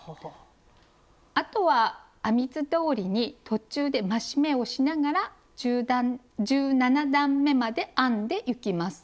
あとは編み図どおりに途中で増し目をしながら１７段めまで編んでいきます。